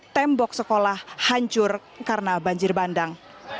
tembok sekolah hancur karena banjir bandang